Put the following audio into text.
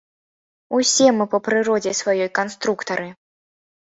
Усе мы па прыродзе сваёй канструктары.